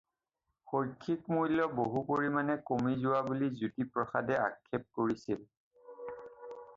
শৈল্পিক মূল্য বহু পৰিমাণে কমি যোৱা বুলি জ্যোতিপ্ৰসাদে আক্ষেপ কৰিছিল।